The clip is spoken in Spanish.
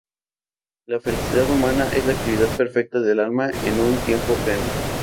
La felicidad humana es la actividad perfecta del alma en un tiempo pleno.